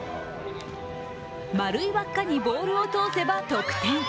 丸い輪っかにボールを通せば得点。